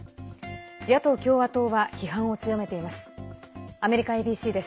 野党・共和党は批判を強めています。